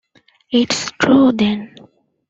It’s true, then!